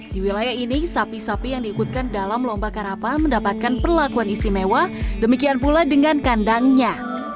di wilayah ini sapi sapi yang diikutkan dalam lomba karapan mendapatkan perlakuan istimewa demikian pula dengan kandangnya